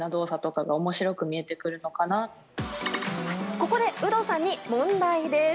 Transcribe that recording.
ここで有働さんに問題です。